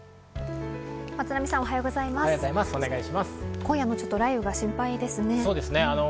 今夜も雷雨が心配ですね。